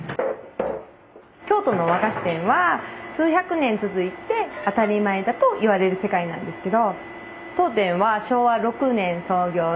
京都の和菓子店は数百年続いて当たり前だといわれる世界なんですけど。